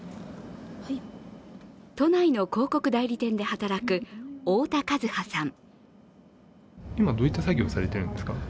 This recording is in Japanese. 都内の広告代理店で働く太田万葉さん。